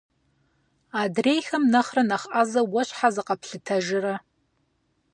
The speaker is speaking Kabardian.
Адрейхэм нэхърэ нэхъ ӏэзэу уэ щхьэ зыкъэплъытэжрэ?